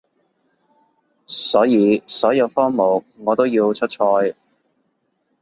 所以所有科目我都要出賽